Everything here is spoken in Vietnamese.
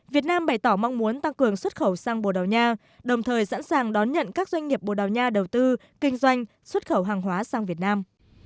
việt nam bày tỏ mong muốn tăng cường xuất khẩu sang bồ đào nha đồng thời sẵn sàng đón nhận các doanh nghiệp bồ đào nha đầu tư kinh doanh xuất khẩu hàng hóa sang việt nam